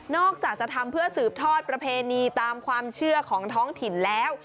อกจากจะทำเพื่อสืบทอดประเพณีตามความเชื่อของท้องถิ่นแล้ว